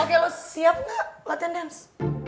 oke lo siap nggak latihan dance